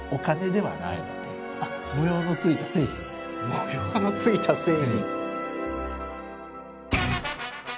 模様の付いた製品。